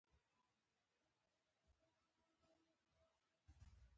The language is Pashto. دا بېلابېل نظرونه دي.